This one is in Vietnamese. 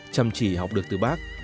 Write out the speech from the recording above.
chăm chỉ học được từ bác